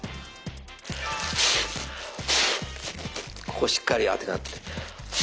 ここをしっかりあてがって。